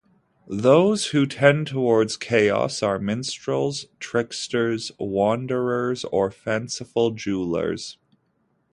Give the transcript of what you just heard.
Those who tend toward chaos are minstrels, tricksters, wanderers, or fanciful jewelers.